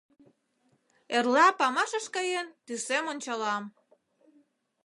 Эрла памашыш каен, тӱсем ончалам...